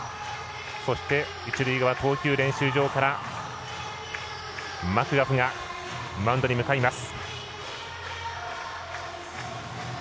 そして、一塁側投球練習場からマクガフがマウンドに向かいます。